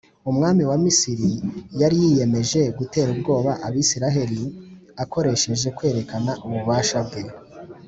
umwami wa misiri yari yiyemeje gutera ubwoba abisiraheli akoresheje kwerekana ububasha bwe.